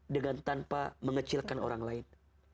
dengan tanpa mengecilkan orang lain